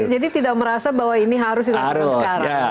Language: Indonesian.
jadi tidak merasa bahwa ini harus dilakukan sekarang